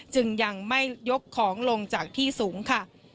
จึงยังไม่ยกของลงจากที่สูงค่ะ